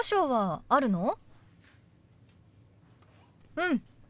うん。